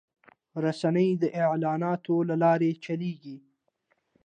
رسنۍ د اعلاناتو له لارې چلېږي